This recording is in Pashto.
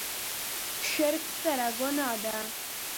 شرک ستره ګناه ده.